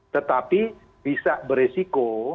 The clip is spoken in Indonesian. tetapi bisa beresiko